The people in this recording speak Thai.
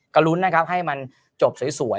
ก็ลุ้นนะครับให้มันจบสวย